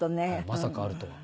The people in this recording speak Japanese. まさかあるとは。